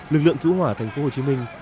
lực lượng cứu hỏa thành phố hồ chí minh